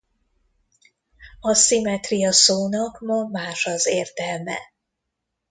A szimmetria szónak ma más az értelme.